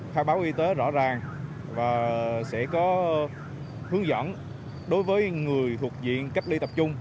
khai báo y tế rõ ràng và sẽ có hướng dẫn đối với người thuộc diện cách ly tập trung